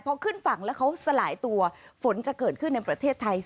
พอขึ้นฝั่งแล้วเขาสลายตัวฝนจะเกิดขึ้นในประเทศไทย